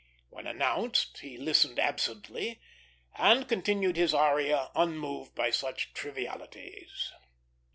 When announced, he listened absently, and continued his aria unmoved by such trivialities.